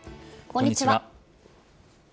こんにちは。